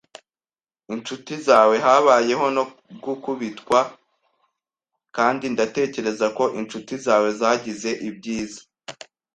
inshuti zawe. Habayeho no gukubitwa, kandi ndatekereza ko inshuti zawe zagize ibyiza